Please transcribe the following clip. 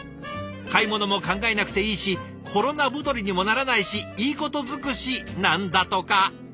買い物も考えなくていいしコロナ太りにもならないしいいこと尽くしなんだとか。